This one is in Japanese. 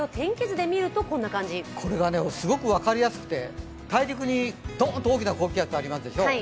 これがすごく分かりやすくて大陸にどーんと大きな高気圧がありますでしょう。